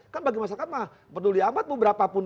kan bagi masyarakat mah peduli amat beberapa pun